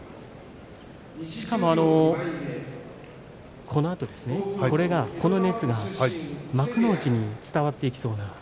しかも、このあとこの熱が幕内に伝わっていきそうな。